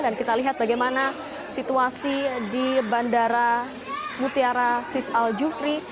dan kita lihat bagaimana situasi di bandara mutiara sis al jufri